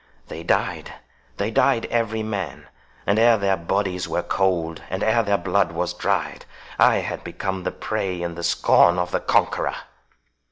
They died—they died every man; and ere their bodies were cold, and ere their blood was dried, I had become the prey and the scorn of the conqueror!"